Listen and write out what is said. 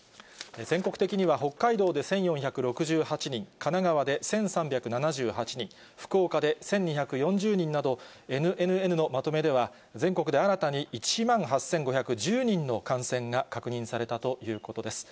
全国的には北海道で１４６８人、神奈川で１３７８人、福岡で１２４０人など、ＮＮＮのまとめでは、全国で新たに１万８５１０人の感染が確認されたということです。